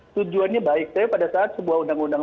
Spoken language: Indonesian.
tujuannya baik tapi pada saat sebuah undang undang